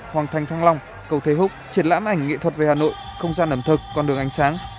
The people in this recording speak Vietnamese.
hoàng thành thăng long cầu thế húc triển lãm ảnh nghệ thuật về hà nội